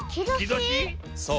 そう。